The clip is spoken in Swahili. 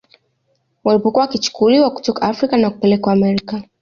Walipokuwa wakichukuliwa kutoka Afrika na kupelekwa Amerika